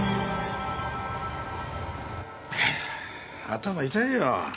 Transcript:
頭痛いよ。